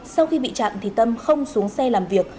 sau khi bị chặn thì tâm không xuống xe làm việc